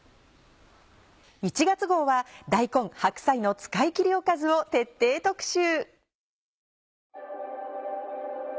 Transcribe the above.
１月号は大根・白菜の使いきりおかずを徹底特集。